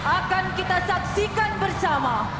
akan kita saksikan bersama